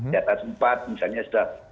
data sempat misalnya sudah